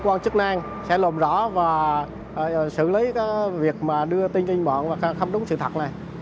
cơ quan chức năng sẽ lộn rõ và xử lý việc đưa tin kênh bọn bắt không đúng sự thật